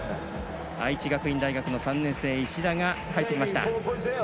愛知学院大学の３年生石田が入ってきました。